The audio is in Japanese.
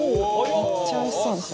めっちゃおいしそうでしょ。